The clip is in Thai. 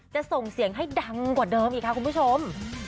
ส่งเสียงให้ดังกว่าเดิมอีกค่ะคุณผู้ชม